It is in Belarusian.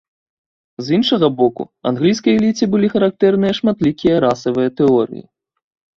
З іншага боку, англійскай эліце былі характэрныя шматлікія расавыя тэорыі.